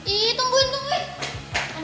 ih tungguin tungguin